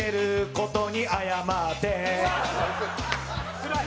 つらい。